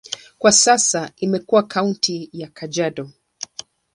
Kwa sasa imekuwa kaunti ya Kajiado.